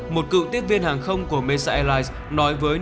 một cựu tiếp viên hàng không của marseille airlines nói với new york post